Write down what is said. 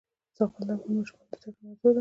زغال د افغان ماشومانو د زده کړې موضوع ده.